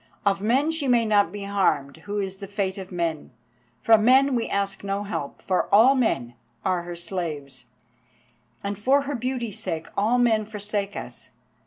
Of men she may not be harmed who is the fate of men, from men we ask no help, for all men are her slaves, and for her beauty's sake all men forsake us.